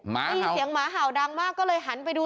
ได้ยินเสียงหมาเห่าดังมากก็เลยหันไปดู